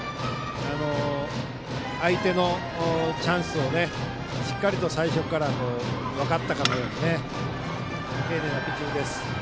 相手のチャンスをしっかりと最初から分かったかのように丁寧なピッチングです。